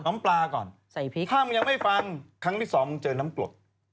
ถ้ามึงยังไม่ฟังครั้งที่สองมึงเจอน้ำปลด